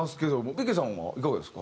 ビッケさんはいかがですか？